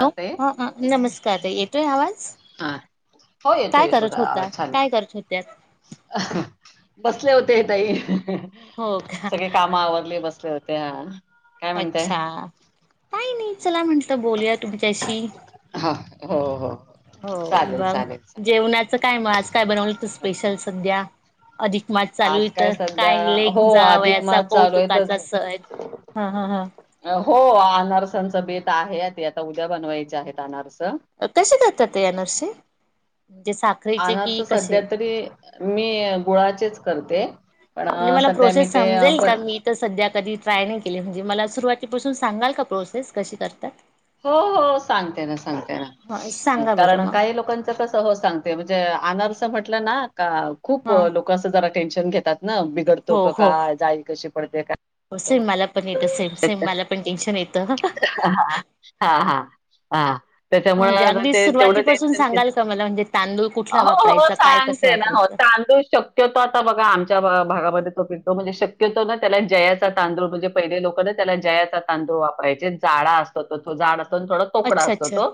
Hello, करते ह नमस्कार ताई येतोय आवाज हा. हो येतो काय येतो करत होता, आवाज छान काय येतो. करत होत्यात? बसले होते ताई ह ह हो का सगळे काम आवरले बसले होते. त्या अच्छा काय नाही चला म्हटल बोलुयात? हा हो, हो, हो हो चालेल मघ चालेल चला. जेवणाचं काय म आज काय बनवलं लागत स्पेशल सध्या? अधिक मास चालू आहे, आज तर सध्या काय लेक हो अधिक जावयाचा मास चालू कौतुकाचा आहेतच. सण ह ह ह हो अनारसांचं बेत आहे ते आता उद्या बनवायचे आहेत आनारस कसे करतात ते अनारसे म्हणजे साखरेचे की अनारस सध्या कसे तरी मी गुळाचेच करते पण म्हणजे मला सध्या मी प्रोसेस ते समजेल हो का मी तर सध्या कधी? ट्राय नाही केली म्हणजे मला सुरुवातीपासून सांगाल का प्रोसेस कशी करतात? हो हो सांगते ना सांगते ह ना सांगा बरं कारण, मग काही लोकांच कसं हो सांगते म्हंजे आनार म्हटलं ना त का खूप हा अ लोकं असं जरा टेन्शन घेतात ना बिघडतो हो क हो काय? जाळी कशी पडते काय? सेम मला पण येतं सेम सेम मला पण टेन्शन येतं हां हा हा हा. म्हणजे त्यांच्यामुळे अगदी ते तेवढं सुरुवातीपासून टेन्शन सांगाल येते, का मला म्हणजे तांदूळ कुठला हो हो हो वापरायचा काय कसं सांगते ना हो वापरायचं तांदूळ शक्यतो आता बघा आमच्या त्या भागा भागामध्ये तो पिकतो म्हंजे शक्यतो ना त्याला, जयाचा तांदूळ म्हंजे पहिले लोक ना त्याला जयाचा तांदूळ वापरायचे जाडा असं त तो जाड असतो. थोड तोकडा अच्छा असतो अच्छा तो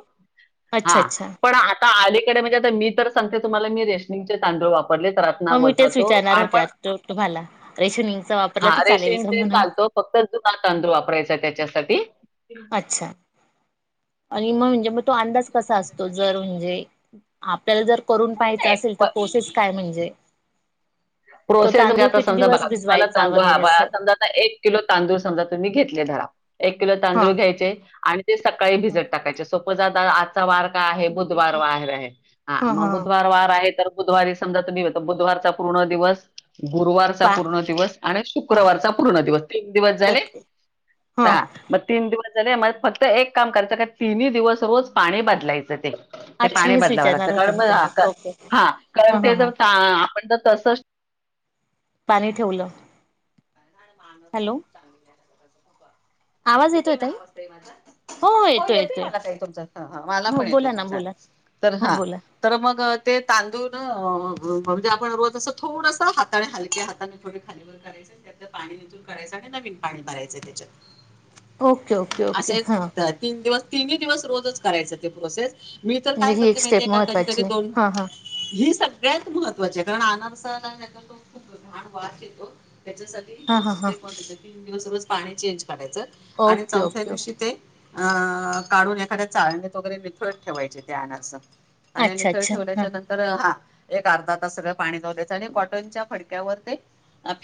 अच्छा हां अच्छा पण आता आ खरं म्हणजे मी तर, सांगते तुम्हाला मी रेशनीगचे तांदूळ वापर पण लय त्रास ना हो मी होतो तेच तो, विचारणार होते आपण आता तुम्हाला रेशनिंगचा वापरला हां तर चालेल रेशिंग का चे म्हणून चालतो फक्त जूना तांदूळ वापरायचा त्याच्यासाठी. ते अच्छा आणि म म्हंजे मग तो अंदाज दिवस कसा भिजत असतो जर, टाकायचे. म्हंजे आपल्याला जर, करून पहायचा नाही. असेल तर पोसेस काय म्हंजे? प्रोसेस म्ह्णजे आता किती समजा दिवस बघा तुमाला भिजवायचा तांदूळ हा वगैरे बा असं समजा आता एक किलो तांदूळ समजा तुम्ही घेतले जरा एक किलो हा तांदूळ घ्यायचे आणि ते सकाळी भिजत टाकायचे सो तुझा आजचा वार काय आहे? बुधवार वार आहे. बुध हा हां मगं हा बुधवार वार आहे तर बुधवारी समजा तुम्ही त बुधवारचा पूर्ण दिवस. गुरुवारचा पा पूर्ण दिवस आणि हा शुक्रवारचा पूर्ण दिवस. तीन दिवस झाले ओके त हा मग तीन दिवस [unintelligible] फक्त एक काम कराचं का तिन्ही दिवस रोज पाणी बदलायचं ते. ते अच्छा पाणी हेच बदलावं लागतं विचारणार होते कारण मी म हा का तुम्हाला ओके हां कारण हां ते हां हां जर चा पण. तसं पाणी ठेवलं? हॅलो [unintelligible] येतोय ना आवाज ताई माझा? हो येतोय मला ताई तुमचा हा मला हो पण येतोय बोला ना तुमचा बोला तर, हो हा बोला तर मग ते तांदूळ न अ अ म्हणजे आपण रोज असं थोडस हाताने हलक्या हाताने थोड खालीवर करायच त्यातल पाणी निथळून काढायच आणि नवीन पाणी भरायचंय त्यांच्यात. ओके ओके ओके हां. तिन्हीं दिवस रोजच करायचं ते प्रोसेस. मी तर म्हणजे काय ही एक करते माहितीय स्टेप का कधी कधी महत्त्वाची आहे दोन हां हां ही सग सगळ्यांत महत्वाची आहे कारणं आनारसा काय करतो खूप घाण वास येतो. त्याच्यासाठीे च हां ही हां हां स्टेप महत्वाची आहे. दिवस रोज पाणी चेंज करायचं. आणि ओके चौथ्या ओके दिवशी ओके ते अं काढून एखाद्या चाळण्यातत वगैरे विथळत ठेवायचे ते आणरस. आणि अच्छा निथळत अच्छा हां ठेवल्याच्या नंतर एक अर्धा तास पाणी जाऊ द्यायच आणि कॉटनच्या फडक्यावर ते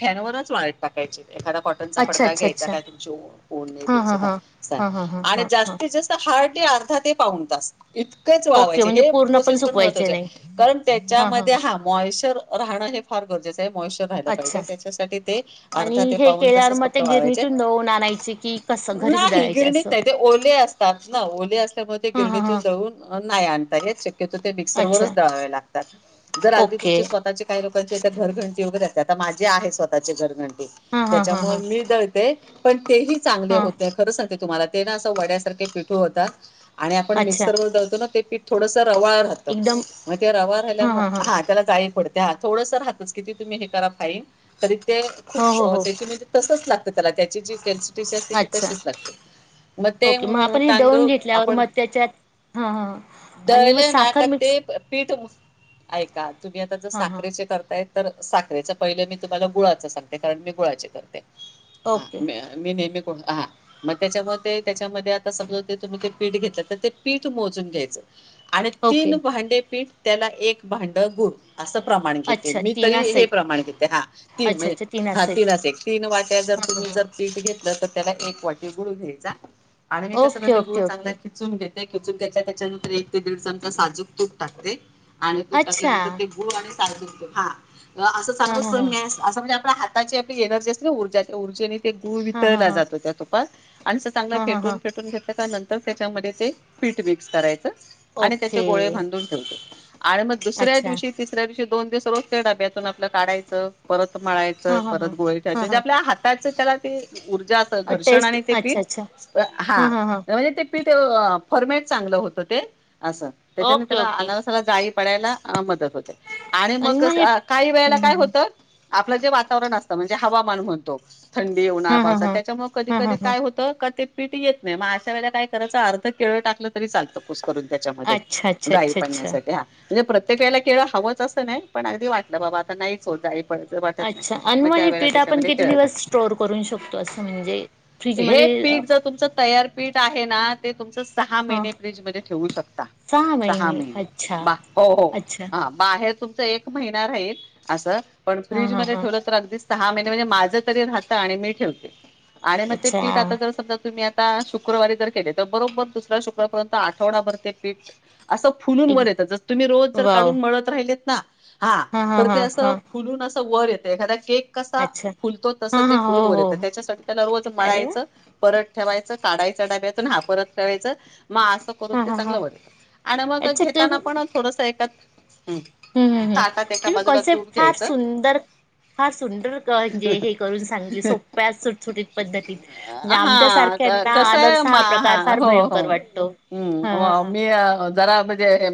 फॅनवरच वाळट टाकायचे. एखादा कॉटनचा अच्छा फडका अच्छा घ्यायचा अच्छा काय तुमची ओ [inaudible] हां हां हां हां हां हां हां हां जास्तीत जास्त दहा ते अर्धा ते पाऊन तास इतकंच ओके वाळवायचे म्हणजे हे पूर्ण प्रोसेस पण सुकवायचे महत्त्वाचे आहे. नाही कारण हां हां त्याच्यामध्ये हां हा मॉइचर राहणं हे फार गरजेचं मोईशचर राहायला अच्छा पाहिजे. त्याच्यासाठी ते आणि अर्धा ते हे पाऊन केल्यावर तसाच मग ते फक वाळवायचे. गिरणीतून दळून आणायचे की कसं घरीच नाही दळायचे गिरणीत असं नाही. ते ओले असतात ना ओले असल्यामुळे ते हां हां गिरणीतून हां दळून नाही आणता हेच शक्यतो ते मिक्सर अच्छा वरच दळावे लागतात जर अगदी ओके तुमचे स्वतःचे. लोकांची घरघंटि वैगरे असते. आता माझे आहे स्वतःचे घरघं टि हा हा हा त्याच्यामुळे हा मी दळते. पण तेही चांगले हा होते खरं सांगिते. तुम्हाला ते ना असं वड्यासारखे पिठू होतात. आणि आपण अच्छा मिक्सर वर दळतो ना ते पीठ थोडस रवा राहत. एकदम मग रवा राल्यामुळे हा त्याला जाळीत पडत. द्या थोडंस राहतच. किती तुम्ही हे करा फाईट तरी ते खूप हो हो हो त्याचे म्हणजे लागत त्याला त्याची जी तशी असले कि अच्छा तशीच लागते मग ते ओके मग आपण हे दळून तांदूळ घेतल्यावर आपण मग त्याच्यात हा हा आणि मग दळले ना साखर का मिक्स ते पीठ. ऐका तुम्ही आता ज हा हा साखरेचे करताय तर साखरेच पहिलं मी तुम्हाला गुळाचं सांगते कारण मी गुळाचे करते. हा ओके. मी मी नेहमी. हा मग त्याच्यामध्ये त्याच्यामध्ये आता समजा ते तुम्ही ते पीठ घेतलं तर ते पीठ मोजून घ्यायचं. आणि तीन ओके भांडे पीठ त्याला एक भांड गुड असं प्रमाण घेते अच्छा मी तरी तीनास हे एक प्रमाण घेते. हा तीन अच्छा म्हणजे अच्छा हा तीनास एक तीनच, तीन वाट्या जर हा हा तुम्ही हा जर घेतलं तर त्याला एक वाटी गुळू घ्यायचा आणि मी कसं ओके करते गुळ ओके चांगला ओके खिचून घेते ते खेचून त्याच्या त्याच्यानंतर एक ते दीड चमचा साजूक तूप टाकते. आणि तो अच्छा टाकल्यानंतर ते गूळ आणि हा असं हा चांगलं हा हा सण म्यासं असं म्हणजे आपला हात त्यांच्या आपली एनर्जी असते ऊर्जा येतो ऊर्जेने- ते गुळ हा हा वितळला हा जातो त्या तूपात आणि असं चांगला हा हा हा फेटून फेटून घेतलं का नंतर तर त्यांच्यामध्ये ते पीट मिक्स करायचं आणि त्याचे ओके गोळे भांधून ठेवते आणि मग दुसऱ्या अच्छा दिवशी तिसऱ्या दिवशी दोन दिवस रोज त्या डब्यातून आपलं काढायचं परत मळायचे हा हा परत हा गोळीय त्यांचे हा आपल्या हात च तेला ते ऊर्जा ऊर्जा हा घर्षण टेस्ट आणि ते पीठ अच्छा अच्छा हा म्हणजे ते पीठ फॉर्मेट चांगलं होतं ते असं त्याच्या नंतर ओके ओके अनारसाला जाई तळायला मदत होतंय आणि मग कसं काही वेळेला काय होतं आपलं जे वातावरण असतं म्हणजे हवामान म्हणतो थं उन्हात हा हा पावसात त्यांच्या मुळं कधी हा हा कधी हा काय होतं का ते पीटी येत नाही मग अशा वेळेला काय करायंच अर्ध केळ टाकलं तरी तरी चालतं कुस्करून त्यातं त्याच्यामध्ये अच्छा अच्छा जाई अच्छा अच्छा पडण्यासाठी हा म्हणजे प्रत्येक वळेला केळ हवंच असं नाही पण अगदी वाटलं बाबा आता नाहीच होतं आहे. अच्छा अ आणि मग हे पीठ आपण केळं किती टाकायचं दिवस स्टोर हे पीठ जर हा तुमचं तयार पीठ आहे ना ते तुमचं सहा महिने फ्रिज मध्ये ठेवू शकता सहा महिने बा हो हो अच्छा बाहेर तुम ते एक महिना राहील असं पण हा फ्रीज हा मध्ये हा ठेवलं तर अगदीच सहा महिने म्हणजे माझं तरी राहत्ययं आणि मी ठेवते. आणि मग ते अच्छा पीठ आता हां जर समजा तुम्ही आता आता शुक्रवारी जर केले तर बरोबर दुसऱ्या शुक्रवारपर्यंत आठवडाभर ते पीठ असं फुलून एक वर येत जस तुम्ही रोज जर वाव काडून मळत राहिले. ना हा तर ते असं फुलून अस वर येते एखादा केक कसा अच्छा फुलतो तस हा हा फुलून हो वर हो येत त्याच्यासाठी त्याला रोज अरे वा मळायचं परत ठेवायचं काढायचं डाब्यातून हा परत टाळायचं प म असं करू हा ते हा हा चांगलं वटत आणि मग घेताना पण थोडस एकात हुं हुं हुं तुम्ही कॉन्सेप्ट तूप फार घ्यायचं सुंदर फार सुंडर ग जे हे करून सांगित सोप्या सुटसुटीत पद्धतीत म्हणजे आमच्या हा सारख्यांना कसं आहे अनारसा मा हा प्रकार फार हो हो भयंकर वाटतो ह ह ह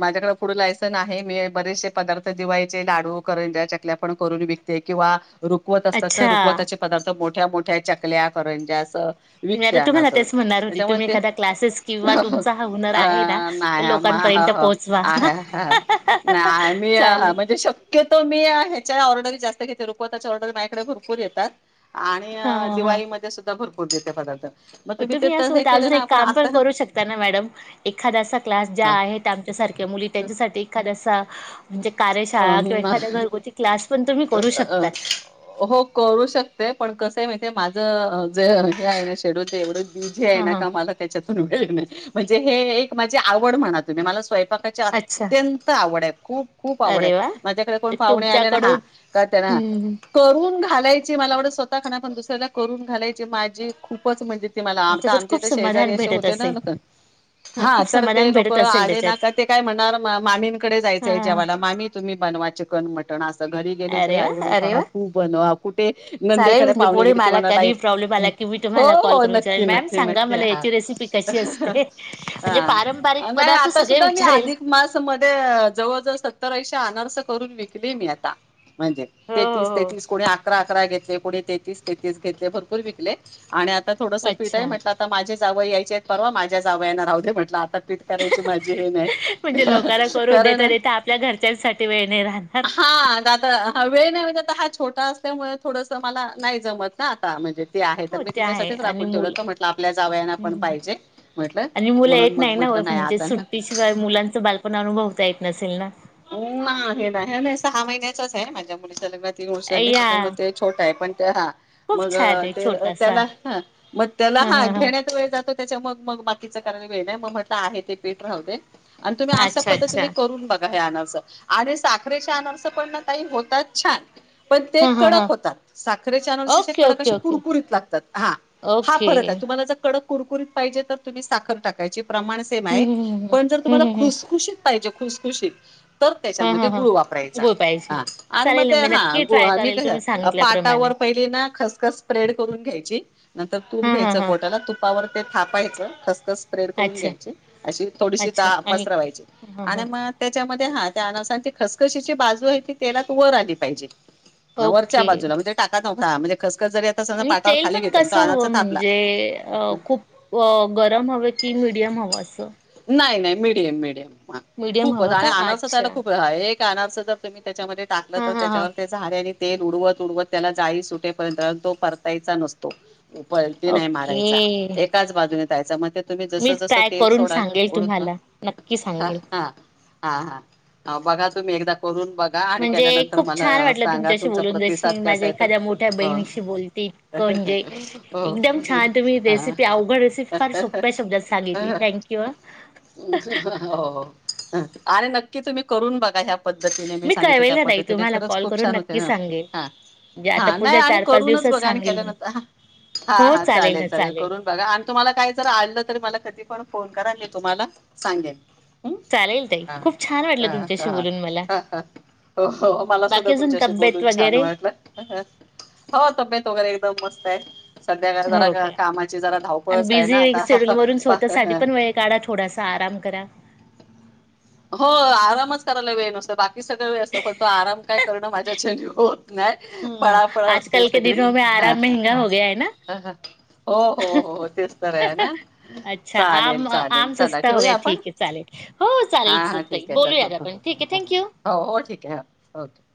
माझ्याकड फूड लायसन आहे मी बरेचसे पदार्थ दिवाळीचे लाडू करंज्या चकल्या पण करून विकते किंवा रुखवत असतात ना अच्छा. रुखवताचे त मोठ्या मोठ्या चकल्या करंज्या असं मी विकते आता तुम्हाला अनारसे तेच म्हणणार वगैरे होती त्याच्यामुळे तुम्ही ते एखादा क्लासेस किंवा अ तुमचा हा हूनर आहे ना तो नाही मा लोकांपर्यंत पोहोचवा आहे नाही मी चालेल. म्हणजे शक्यतो मी आ ह्याच्या ऑर्डरी जास्त घेते रुखवताच्या ऑर्डर माझ्याकडे भरपूर येतात आणि हां हां हां. दिवाळीमध्ये सुद्धा भरपूर पूजेचे पदार्थ मग ते तुम्ही हे यासोबत केले अजून ना एक आपण काम पण करू शकता ना? मॅडम एखादा अस क्लास ज्या आहेत आमच्यासारख्या मुली आता त्यांच्यासाठी एखाद असा म्हणजे कार्यशाळा किंवा एखादा घरगुती क्लास पण तुम्ही अअ करू अ शकतात. हो करू शकते पण कस आहे माहितीये माझ अ जे हे आहे ना शेडूल ते एवढच बिझी आहे हां ना हां. कामाला त्याच्यातून वेळ नाही. म्हणजे हे एक माझी आवड म्हणा तुम्ही मला स्वयपाक काची अच्छा. अत्यंत आवड आहे. खूप खूप आवड अरे आहे वा! माझ्याकडे कोण तर पाहुणे आल्या ना हा तुमच्याकडून का त्या ना हम्म हम्म. करू न घालायची मला आवडे स्वतः खान पण दुसऱ्याला करून घालायची माझी खूपच म्हणजे मला आता त्याच्यात आमचे खूप तर शेजारी समाधान असे भेटत होते ना असेल. हं, हा खूप तर समाधान ते लोक भेटत असेल आले ना त्याच्यात. का ते काय म्हणणार मामींकडे हां. जायचंय हां. जेवाला मामी तुम्ही बनवा ची कन मटण आस घ गेले तरी अरे वा! आई वडील अरे वा! तू बनव चालेल नणंदेकडे म्हणजे पाहुणे पुढे गेले की मला कधी प्रॉब्लेम म्हणतात आला की मी हो तुम्हाला कॉल हो करून विचारेल नक्की मॅम नक्की सांगा नक्की मला हा याची रेसिपी कशी असते म्हणजे पारंपरिक नाही पदार्थ आता सगळे सुद्धा मी विचारेल. अधिक मास मध्ये जवळ जवळ सत्तर ऐंशी अनारस करून विकले मी आता. म्हणजे हो हो तेहतीस हो. तेहतीस कोणी अकरा अकरा पुढे तेहतीस तेहतीस घेतल भरपूर विकले आणि थोडसं पीठ आहे अच्छा म्हटलं आता माझ्या जावई यायचे आहेत म्हणून माझ्या जावयांना राहू दे म्हटलं आता [unintelligible] करायची माझी हे म्हणजे लोकांना नाही करून कारण देता देता आपल्या घरच्यांसाठी वेळ नाही राहणार. हां हा वेळ नाही मिळत आता हा छोटा असल्यामुळे थोडस मला नाही जमत ना आता म्हणजे ते आहे हो तर मी ते आहे तिच्यासाठीच आणि राखून ठेवलं तर म्हटलं आपल्या जावयांना पण पाहिजे म्हटलं मुलं--आणि मुलं म्हणून येत मग नाही ना म्हटलं म्हणजे आता ना सुट्टीशिवाय मुलांच बालपण अनुभवताय नसेल ना हो ना हे नाही ना सहा महिन्याचच आहे माझ्या [inaudible] तीन वर्ष झाली त्याच्यामुळे या ते छोटं आहे पण तर हा खूप मग छान आहे -ते छोटासा त्याला मग त्याला ह हा ह ह घेण्यात वेळ जातो त्याच्या मग मग बाकीच [inaudible] वेळ नाही मग म्हंटल आहे ते पीठ राहू दे आणि तुम्ही अशा अच्छा पद्धतीने अच्छा. करून [inaudible] [unintelligible] आणि साखरेच अनारस पण ना ताई होतात छान पण ते ह ह ह कडक होतात साखरेचे अनारसे असे ओके कडक ओके असे ओके कुरकुरीत लागतात हां -हा ओके फरक आहे तुम्हाला जर कडक कुरकुरीत पाहिजे तर तुम्ही साखर टाका त्याचे प्रमाण सेम आहे हम्म हम्म हम्म पण जर हम्म तुम्हाला हम्म हम्म. खुशखुशीत पाहिजे खुशखुशीत तर हा हा त्याच्यामध्ये हा गुळ वापरायचा गुळ पाहिजे हा आणि मग चालेल ना ते मी नक्की ट्राय हा मी करेल तुम्ही सांगितल्याप्रमाणे पाटावर पहिली ना खसखस स्प्रेड करून घ्यायची नंतर तूप हा हा घ्यायचं हा बोटाला तुपावर ते थापायचं ख [inaudible] स्प्रेड करून अच्छा घ्यायची अशी थोडीशी अच्छा [unintelligible] आणि पसरवायची हा हा आणि मग आणि हां त्या खसखशीची बाजू आहे ती तेलात वर आली पाहिजे हं वरच्या ओके बाजूला म्हणजे [unintelligible] [unintelligible] समजा आणि पाटावर तेल खाली पण घेतल्या तो कसं अनाचा हवं थापला म्हणजे- खूप गरम हव की मीडियम हवं असं मीडयम मीडियम [unintelligible] खूपच आणि का अनारसा त्याला अच्छा खूप [unintelligible] [unintelligible] तुम्ही त्याच्यामध्ये टाकलं हा तर हा हा त्याच्यावर ते झाड आणि तेल उडवत उडवत त्याला जाळी सुटेपर्यंत तो परतायचा नसतो. तो पलटी नाही ओके मारायचा. एकाच बाजूने तायचा म ते तुम्ही जस मी जसं ट्राय तेल करून सोडाल सांगेल उडून तुम्हाला नक्की ह सांगेल हा हा हा बघा तुम्ही एकदा करून बघा आणि म्हणजे केल्यानंतर खूप छान मला वाटलं सांगा तुमच्याशी तुमचा बोलून जशी प्रतिसाद कसा माझ्या आहे तो एखाद्या मोठ्या बहिणीशी हो बोलतेय इतकं म्हणजे एकदम हो छान तुम्ही हा रेसिपी अवघड रेसिपी फार सोप्या शब्दात सांगितली थँंक यू हा. हां. आणि नक्की तुम्ही करून बघा ह्या पद्धतीने मी सांगितलय त्या कळवेलं नाही पद्धतीने तुम्हाला खरच कॉल खूप करून छान होते नक्की हा सांगेल. म्हणजे आता हा नाही पुढच्या आणि चार पाच करूनच दिवसात बघा आणि सांगेल केल्या मी. नंतर हा हा चालेल चालेल करून बघा आणि तुम्हाला काय जर आडलं तर मला कधी पण फोन करा मी तुम्हाला सांगेन हम्म. चालेल ताई हा खूप छान वाटलं तुमच्याशी बोलून मला. ह हा हो मला सुद्धा बाकी अजून तुमच्याशी तब्येत बोलून छान वगैरे वाटलं हो तब्येत वगैरे एकदम मस्त. काय हो काय आणि आहे ना बिझी शेड्यूल वरून स्वतःसाठी आता पण वेळ काढा थोडासा आराम करा. हो आरामच करायला वेळ नसतो बाकी सगळं वेळ असतो पण तो आराम काय करण माझ्या च्यानी होत नाही. पळापळ असते सगळी. हां, हां. हां, हां. हो, हो, हो, हो. तेच तर आहे ना. चालेल, चालेल. [unintelligible] हा हा ताई ठीक आहे चल हो बोलूयात आपण ठीक आहे थँक्यू. हो ठीक हो ओके.